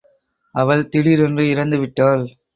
அவள் திடீரென்று இறந்து விட்டாள்.